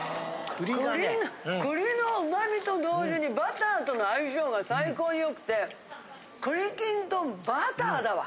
栗の旨みと同時にバターとの相性が最高によくて栗きんとんバターだわ！